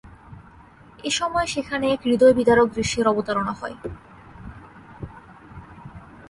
এ সময় সেখানে এক হৃদয়বিদারক দৃশ্যের অবতারণা হয়।